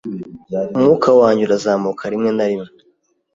umwuka wanjye urazamukaRimwe na rimwe